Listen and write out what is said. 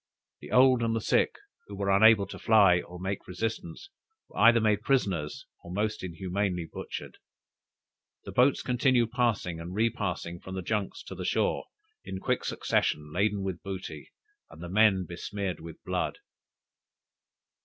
The old and the sick, who were unable to fly, or make resistance, were either made prisoners or most inhumanly butchered! The boats continued passing and repassing from the junks to the shore, in quick succession, laden with booty, and the men besmeared with blood!